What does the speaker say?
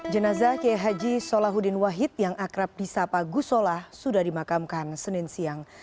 jenazah k h solahuddin wahid yang akrab di sapa gusolah sudah dimakamkan senin siang